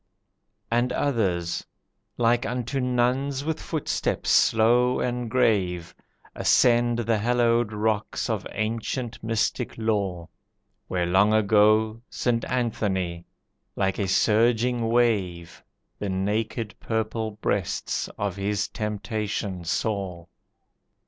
And others like unto nuns with footsteps slow and grave, Ascend the hallowed rocks of ancient mystic lore, Where long ago St. Anthony, like a surging wave, The naked purpled breasts of his temptation saw.